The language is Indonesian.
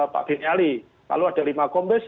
pak bin ali lalu ada lima kompes